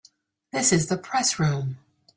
This is the Press Room.